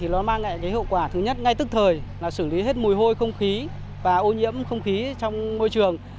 nó mang lại hậu quả thứ nhất ngay tức thời là xử lý hết mùi hôi không khí và ô nhiễm không khí trong môi trường